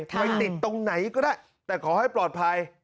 ไปติดตรงไหนก็ได้แต่ขอให้ปลอดภัย